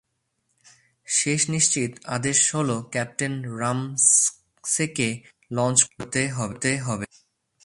শেষ নিশ্চিত আদেশ হলো ক্যাপ্টেন রামসেকে লঞ্চ করতে হবে।